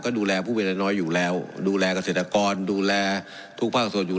ก็ดูแลผู้เป็นน้อยอยู่แล้วดูแลเกษตรกรดูแลทุกภาคส่วนอยู่